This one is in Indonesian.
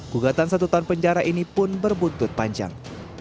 gugatan satu tahun penjara ini pun berbuntut panjang